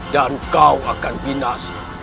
dan kau akan binas